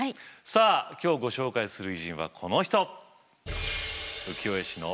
さあ今日ご紹介する偉人はこの人！